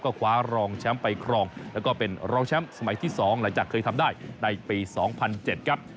ก็คว้ารองแชมป์ไปครองแล้วก็เป็นรองแชมป์สมัยที่๒หลังจากเคยทำได้ในปี๒๐๐๗ครับ